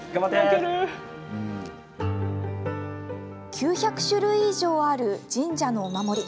９００種類以上ある神社のお守り。